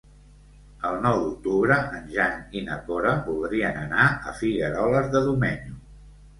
El nou d'octubre en Jan i na Cora voldrien anar a Figueroles de Domenyo.